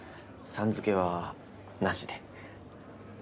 「さん」付けはなしで。